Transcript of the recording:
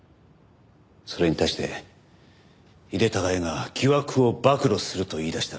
それに対して井手孝也が疑惑を暴露すると言いだしたら？